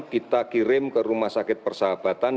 kita kirim ke rumah sakit persahabatan